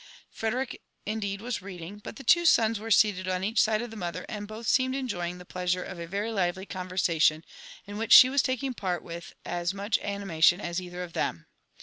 Fr ^erick indeed was reading ; but the itwp soas were seated on ^ach side of the moti^, and both seemed enjoying ib» pleasure of a very lively conversation, in which she was taki^^ part with as much animation as either of them.